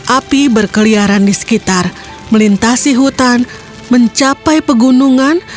api berkeliaran di sekitar melintasi hutan mencapai pegunungan